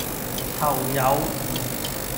囚友